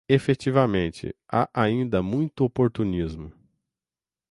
Efetivamente, há ainda muito oportunismo